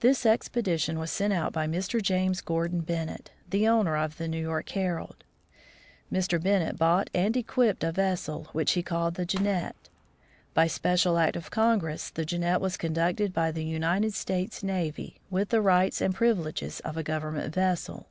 This expedition was sent out by Mr. James Gordon Ben nett, the owner of the New York Herald. Mr. Bennett bought and equipped a vessel, which he called the Jean nette. By special act of Congress, the Jeannette was con ducted by the United States Navy, with the rights and privileges of a government vessel.